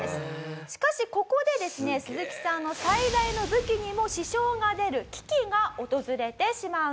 しかしここでですねスズキさんの最大の武器にも支障が出る危機が訪れてしまうんです。